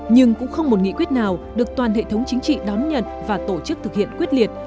nhưng cũng không một nghị quyết nào được toàn hệ thống chính trị đón nhận và tổ chức thực hiện quyết liệt